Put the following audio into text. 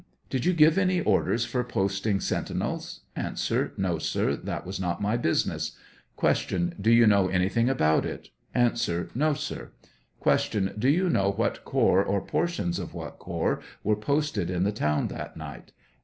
Did you give any orders for posting sentinels ? A. No, sir ;• that was not my business. Q. Do you know anything about it ? A. No, sir. Q. Do you know what corps, or portions of what corps, were posted in the town that night?